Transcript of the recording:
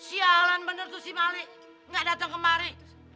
sialan bener tuh si malik nggak datang kemari